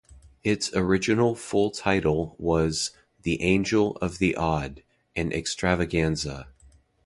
Its original full title was "The Angel of the Odd: An Extravaganza".